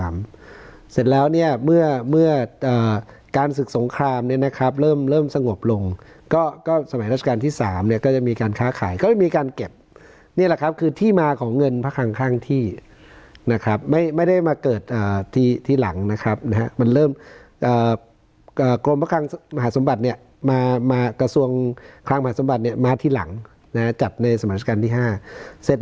เสร็จแล้วเนี่ยเมื่อการศึกสงครามเนี่ยนะครับเริ่มเริ่มสงบลงก็ก็สมัยราชการที่๓เนี่ยก็จะมีการค้าขายก็ไม่มีการเก็บนี่แหละครับคือที่มาของเงินพระคังข้างที่นะครับไม่ได้มาเกิดทีหลังนะครับนะฮะมันเริ่มกรมมหาสมบัติเนี่ยมากระทรวงคลังมหาสมบัติเนี่ยมาทีหลังนะฮะจัดในสมัยราชการที่๕เสร็จ